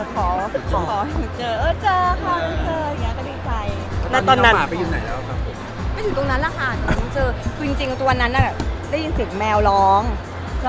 คืนจริงไม่รับผลแม่นะ